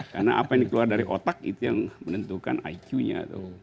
karena apa yang keluar dari otak itu yang menentukan iq nya tuh